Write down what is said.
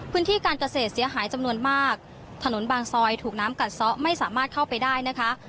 การเกษตรเสียหายจำนวนมากถนนบางซอยถูกน้ำกัดซ้อไม่สามารถเข้าไปได้นะคะ